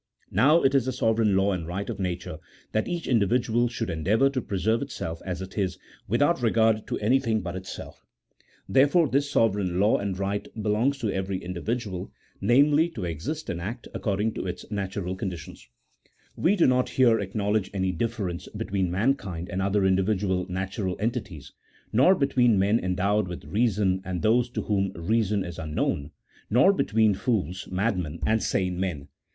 Now it is the sovereign law and right of nature that each individual should endeavour to preserve itself as it is, without regard to anything but itself; therefore this sovereign law and CHAP. XVI.] OF THE FOUNDATIONS OF A STATE. 201 right belongs to every individual, namely, to exist and act according to its natural conditions. "We do not here acknowledge any difference between mankind and other individual natural entities, nor between men endowed with reason and those to whom reason is unknown ; nor between fools, madmen, and sane men.